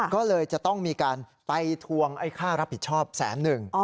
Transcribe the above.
ก็เลยจะต้องมีการไปทวงไอ้ค่ารับผิดชอบแสนหนึ่ง